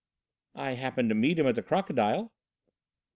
"I happened to meet him at the 'Crocodile.'"